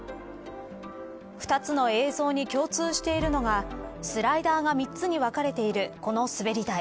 ２つの映像に共通しているのがスライダーが３つに分かれているこの滑り台。